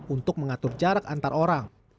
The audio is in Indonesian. untuk mengatur jarak antar orang